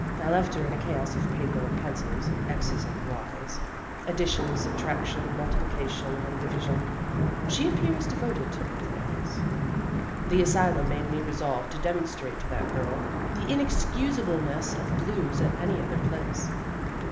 I left her in a chaos of paper and pencils, xs andjj/s, addition, subtrac tion, multiplication, and division. She ap pears devoted to mathematics. The asylum made me resolve to demon strate to that girl the inexcusableness of blues at any other place.